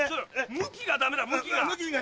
向きがダメだ向きが。